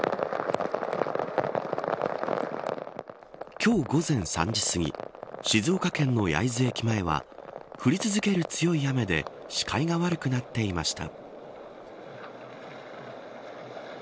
今日午前３時すぎ静岡県の焼津駅前は降り続ける強い雨で視界が悪くなっていました。